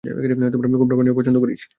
কুমড়া পানীয় পছন্দ করিস?